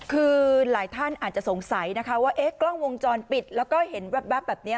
คือหลายท่านอาจจะสงสัยนะคะว่ากล้องวงจรปิดแล้วก็เห็นแว๊บแบบนี้